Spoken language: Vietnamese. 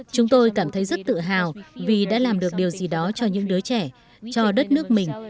chúng tôi cảm thấy rất tự hào vì đã làm được điều gì đó cho những đứa trẻ cho đất nước mình